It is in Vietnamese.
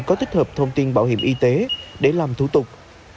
có tích hợp thông tin bảo hiểm y tế để làm thủ tục